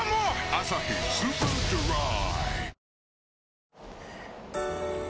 「アサヒスーパードライ」